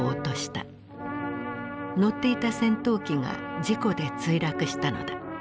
乗っていた戦闘機が事故で墜落したのだ。